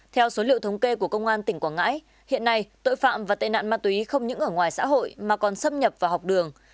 theo số liệu thống kê của công an tỉnh quảng ngãi hiện nay tội phạm và tệ nạn ma túy không những ở ngoài xã hội mà còn xâm nhập vào học đường